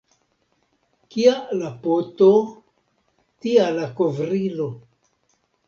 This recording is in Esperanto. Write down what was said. Kia la poto, tia la kovrilo.